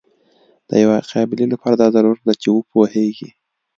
د یوې قابلې لپاره دا ضرور ده چې وپوهیږي.